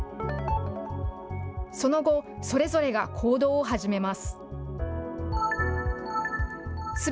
その後、それぞれが行動を始めます。